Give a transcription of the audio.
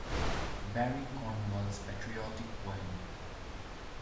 Barry Cornwall's patriotic poem.